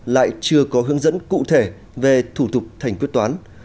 lại chưa có hướng dẫn cụ thể về thủ tục thành quyết toán